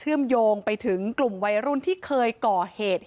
เหตุการณ์เกิดขึ้นแถวคลองแปดลำลูกกา